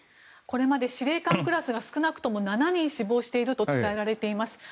これまで司令官クラスが少なくとも７人死亡していると伝えられています。